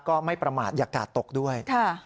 ก็ไม่ประมาทอย่ากาดตกด้วย